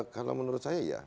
kalau menurut saya iya